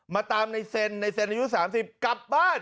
มาตามในเซ็นในเซ็นอายุ๓๐กลับบ้าน